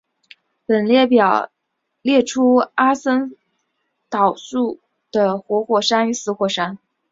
本列表列出阿森松岛的活火山与死火山。